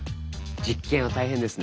実験は大変ですね。